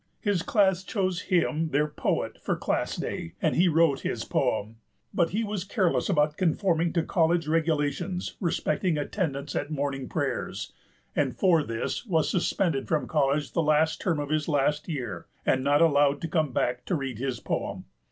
His class chose him their poet for Class Day, and he wrote his poem; but he was careless about conforming to college regulations respecting attendance at morning prayers; and for this was suspended from college the last term of his last year, and not allowed to come back to read his poem.